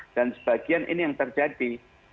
dan sebagian ini yang terjadi